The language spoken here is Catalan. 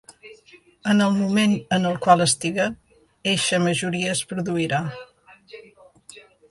En el moment en el qual estiga eixa majoria es produirà.